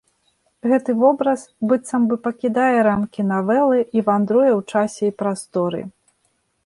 Гэты вобраз быццам бы пакідае рамкі навелы і вандруе ў часе і прасторы.